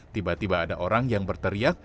tiba tiba ada orang yang berteriak